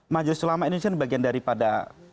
majelis ulama indonesia ini bagian dari padangkabar